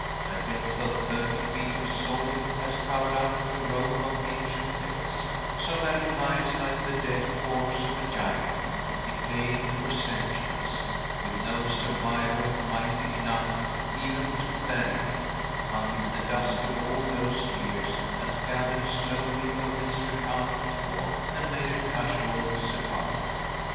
A depth of thirty feet of soil has covered up the Rome of ancient days, so that it lies like the dead corpse of a giant, decaying for centuries, with no survivor mighty enough even to bury it, until the dust of all those years has gathered slowly over its recumbent form and made a casual sepulchre.